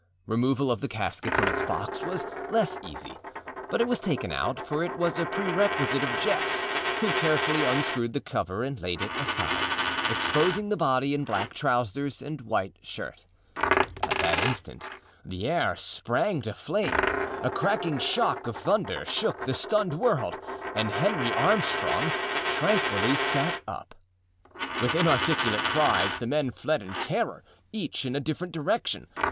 Removal of the casket from its box was less easy, but it was taken out, for it was a perquisite of Jess, who carefully unscrewed the cover and laid it aside, exposing the body in black trousers and white shirt. At that instant the air sprang to flame, a cracking shock of thunder shook the stunned world and Henry Armstrong tranquilly sat up. With inarticulate cries the men fled in terror, each in a different direction.